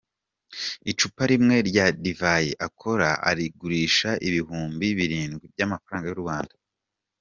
Icupa rimwe rya divayi akora arigurisha ibihumbi birindwi by’amafaranga y’u Rwanda.